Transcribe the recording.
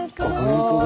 本当だ。